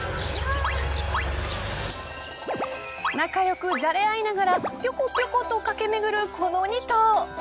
仲良くじゃれ合いながらぴょこぴょこと駆めぐる、この２頭。